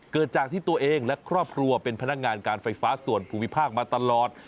เกิดจากที่ตัวเองและครอบครัวเป็นพนักงานการไฟฟ้าส่วนภูมิภาคมาตลอด